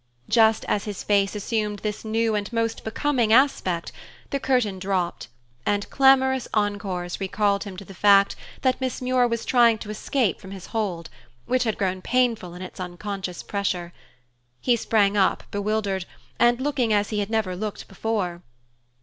Just as his face assumed this new and most becoming aspect, the curtain dropped, and clamorous encores recalled him to the fact that Miss Muir was trying to escape from his hold, which had grown painful in its unconscious pressure. He sprang up, half bewildered, and looking as he had never looked before.